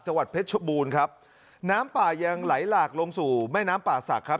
เพชรชบูรณ์ครับน้ำป่ายังไหลหลากลงสู่แม่น้ำป่าศักดิ์ครับ